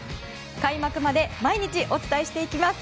開幕まで毎日お伝えしていきます。